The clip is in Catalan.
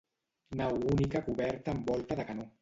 Nau única coberta amb volta de canó.